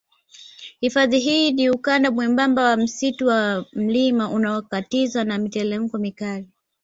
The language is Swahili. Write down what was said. Hifadhi hii ni ukanda mwembamba wa msitu wa mlima unaokatizwa na miteremko mikali